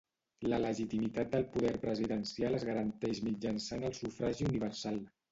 La legitimitat del poder presidencial es garanteix mitjançant el sufragi universal.